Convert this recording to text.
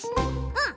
うん！